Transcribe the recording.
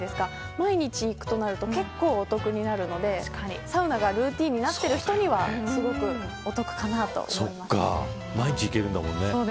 毎日行くと結構お得になるのでサウナがルーティンになっている人には毎日行けるんだもんね。